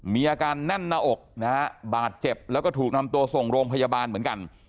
มีอาการแน่นหน้าอกนะฮะบาดเจ็บแล้วก็ถูกนำตัวส่งโรงพยาบาลเหมือนกัน